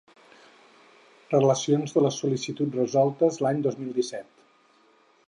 Relacions de les sol·licituds resoltes l'any dos mil disset.